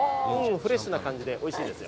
フレッシュな感じで、おいしいですよ。